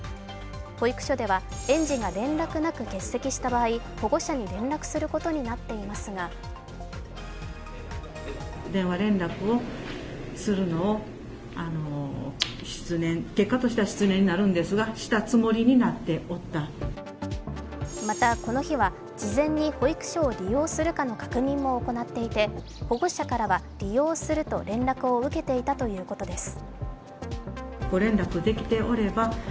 保育所では園児が連絡なく欠席した場合、保護者に連絡することになっていますがまたこの日は事前に保育所を利用するかの確認も行っていて保護者からは、利用すると連絡を受けていたということです。